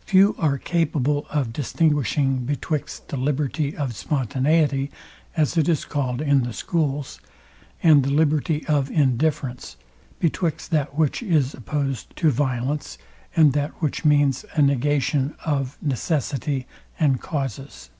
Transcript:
Few are capable of distinguishing betwixt the liberty of spontaniety, as it is called in the schools, and the liberty of indifference; betwixt that which is opposed to violence, and that which means a negation of necessity and causes.